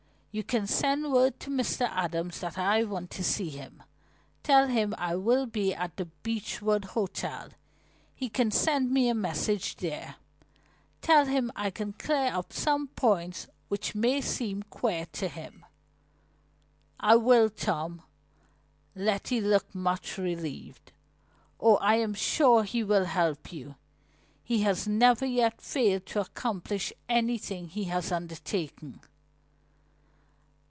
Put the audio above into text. You can send word to Mr. Adams that I want to see him. Tell him I will be at the Beechwood Hotel. He can send me a message there. Tell him I can clear up some points which may seem queer to him." "I will, Tom," Letty looked much relieved. "Oh, I am sure he will help you! He has never yet failed to accomplish anything he has undertaken!"